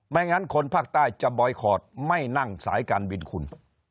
งั้นคนภาคใต้จะบอยคอร์ดไม่นั่งสายการบินคุณ